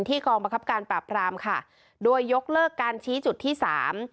กองบังคับการปราบรามค่ะโดยยกเลิกการชี้จุดที่สาม